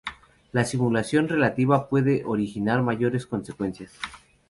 La simulación relativa puede originar mayores consecuencias.